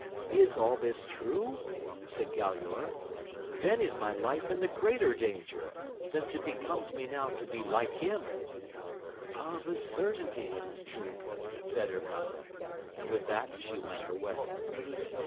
Is all this true ? said Galaor, then is my life in the greater danger, since it becomes me now to be like hint Of a certainty it is true, said Urganda ; and with that she went her way.